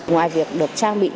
ngoài việc được trang minh